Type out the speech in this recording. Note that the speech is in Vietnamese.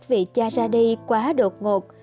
vì cha ra đi quá đột ngột